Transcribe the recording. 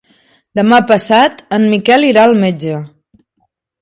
Demà passat en Miquel irà al metge.